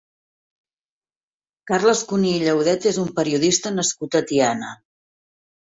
Carles Cuní i Llaudet és un periodista nascut a Tiana.